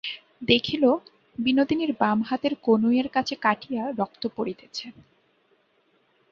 দেখিল, বিনোদিনীর বাম হাতের কনুয়ের কাছে কাটিয়া রক্ত পড়িতেছে।